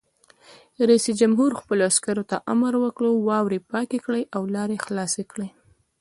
رئیس جمهور خپلو عسکرو ته امر وکړ؛ واورې پاکې کړئ او لارې خلاصې کړئ!